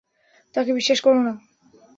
তাকে বিশ্বাস করোনা।